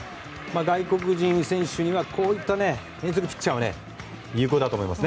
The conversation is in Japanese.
外国人選手にはこういった変則ピッチャーは有効だと思います。